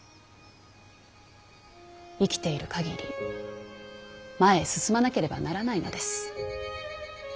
生きている限り前へ進まなければならないのです。